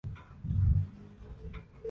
La "-a" final es artículo en euskera.